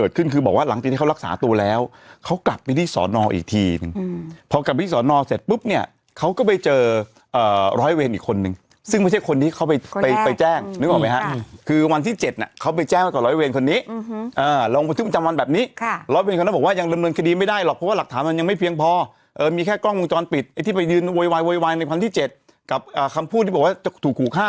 ตอนนอกเสร็จปุ๊บเนี่ยเขาก็ไปเจอร้อยเวรอีกคนนึงซึ่งไม่ใช่คนที่เขาไปไปแจ้งนึกออกไหมฮะคือวันที่๗น่ะเขาไปแจ้งกับร้อยเวรคนนี้อ่าลงไปซึ่งจำวันแบบนี้ค่ะร้อยเวรเขาบอกว่ายังเริ่มเริ่มคดีไม่ได้หรอกเพราะว่าหลักฐานมันยังไม่เพียงพอเออมีแค่กล้องมุมจรปิดไอ้ที่ไปยืนโวยวายโวยวายในวั